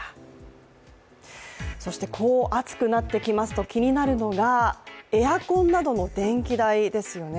そして、こう暑くなってきますと気になるのがエアコンなどの電気代ですよね。